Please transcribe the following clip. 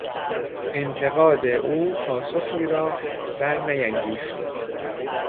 انتقاد او پاسخی را برنیانگیخت.